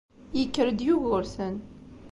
Yekker-d Yugurten.